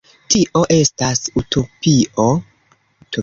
Tio estas utopio.